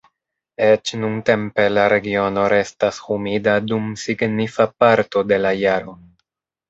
Eĉ nuntempe, la regiono restas humida dum signifa parto de la jaro.